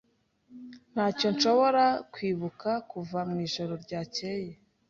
Ntacyo nshobora kwibuka kuva mwijoro ryakeye.